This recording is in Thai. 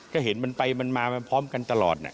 ก็เห็นมันไปมันมาพร้อมกันตลอด